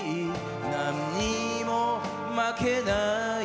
何にも負けない